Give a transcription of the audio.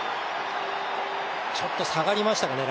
ちょっと下がりましたかね